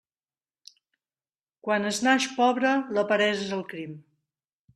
Quan es naix pobre, la peresa és el crim.